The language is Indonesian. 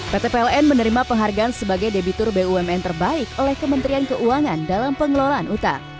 pt pln menerima penghargaan sebagai debitur bumn terbaik oleh kementerian keuangan dalam pengelolaan utang